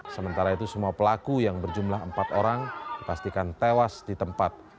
sementara itu semua pelaku yang berjumlah empat orang dipastikan tewas di tempat